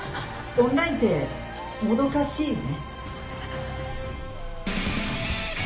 オンラインってもどかしいね。